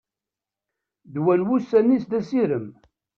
Ddwa n wussan-is d asirem.